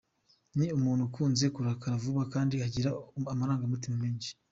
Ni umuntu ukunze kurakara vuba kandi ugira amarangamutima menshi.